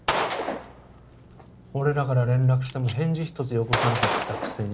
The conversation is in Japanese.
俺らから連絡しても返事一つよこさなかったくせに？